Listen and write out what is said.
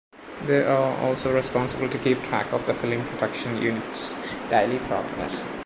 They are also responsible to keep track of the film production unit's daily progress.